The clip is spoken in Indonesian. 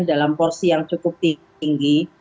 dalam porsi yang cukup tinggi